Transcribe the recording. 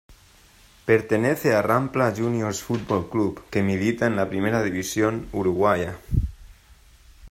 Pertenece a Rampla Juniors Fútbol Club que milita en la Primera División Uruguaya.